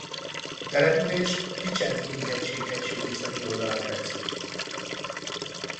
A település a Picentini-hegység hegység északi oldalán fekszik.